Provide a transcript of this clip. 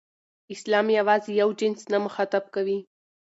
اسلام یوازې یو جنس نه مخاطب کوي.